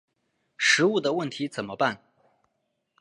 食物的问题怎么办？